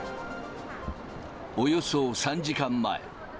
およそ３時間前。